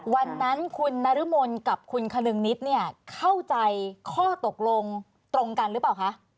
วันนั้นคุณนรมนกับคุณคลึงนิดเนี่ยเข้าใจข้อตกลงตรงกันหรือเปล่าคะ